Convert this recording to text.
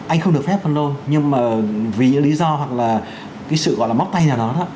anh không được phép phân lô nhưng vì những lý do hoặc là sự móc tay nào đó